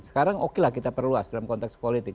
sekarang oke lah kita perluas dalam konteks politik